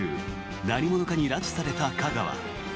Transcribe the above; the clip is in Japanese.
何者かに拉致された架川。